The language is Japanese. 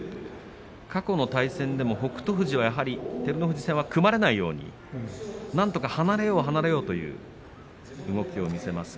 過去の対戦でも北勝富士はやはり、照ノ富士戦は組まれないように、なんとか離れよう離れようという動きを見せました。